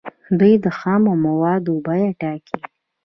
دوی د خامو موادو بیې ټاکي.